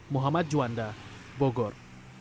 muhammad juanda bogor